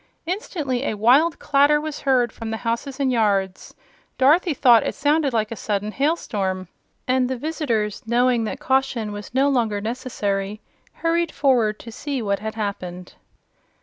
Instantly a wild clatter was heard from the houses and yards. Dorothy thought it sounded like a sudden hailstorm, and the visitors, knowing that caution was no longer necessary, hurried forward to see what had happened.